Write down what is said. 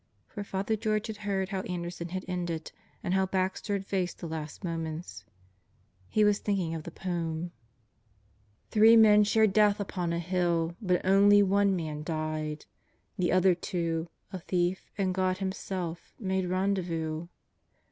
For Father George had heard how Anderson had ended and how Baxter had faced the last moments. He was thinking of the poem: The Dead Live and Work 211 Three men shared death upon a hill, But only one man died; The other two A thief and God Himself Made rendezvous.